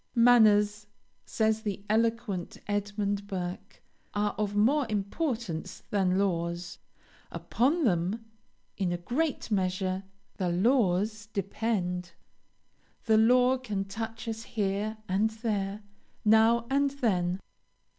"Manners," says the eloquent Edmund Burke, "are of more importance than laws. Upon them, in a great measure, the laws depend. The law can touch us here and there, now and then.